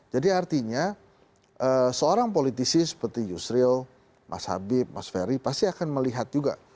jadi artinya seorang politisi seperti yusril mas habib mas ferry pasti akan melihat juga